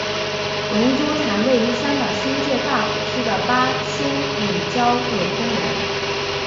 龙珠潭位于香港新界大埔区的八仙岭郊野公园。